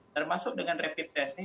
termasuk dengan rapid test ini